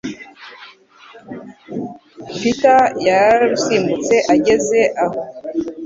Peter yararusimbutse ageze aho.